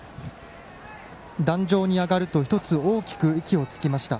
壇上に上がると１つ大きく息をつきました。